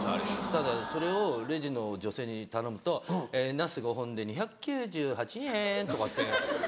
ただそれをレジの女性に頼むと「ナス５本で２９８円」とかって。